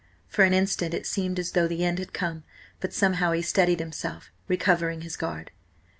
For an instant it seemed as though the end had come, but somehow he steadied himself, recovering his guard.